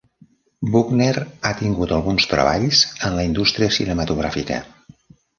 Bugner ha tingut alguns treballs en la indústria cinematogràfica.